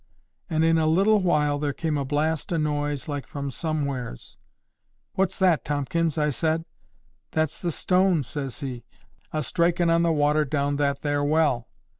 And in a little while there come a blast o' noise like from somewheres. 'What's that, Tomkins?' I said. 'That's the ston',' says he, 'a strikin' on the water down that there well.